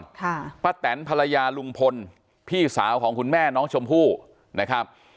ป้าแตนภรรยาลุงพลพี่สาวของคุณแม่น้องชมพู่นะครับ